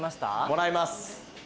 もらいます。